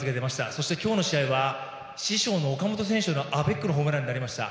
そして今日の試合は師匠の岡本選手とのアベックのホームランになりました。